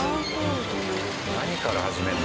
何から始めるの？